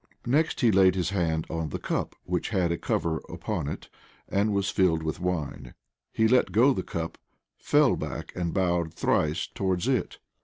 Next he laid his hand on the cup, which had a cover upon it, and was filled with wine. He let go the cup, fell back, and bowed thrice towards it.